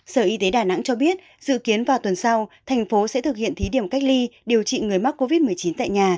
sở y tế đà nẵng cho biết dự kiến vào tuần sau thành phố sẽ thực hiện thí điểm cách ly điều trị người mắc covid một mươi chín tại nhà